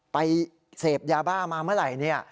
ไปเสพยาบ้ามาเมื่อไหร่